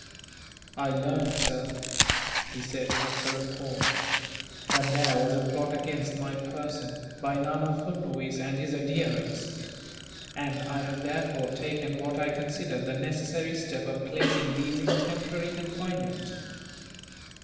"I learned, sir," he said, after a pause, "that there was a plot against my person, by Nana Furnuwees and his adherents; and I have therefore taken what I considered the necessary step of placing these in temporary confinement."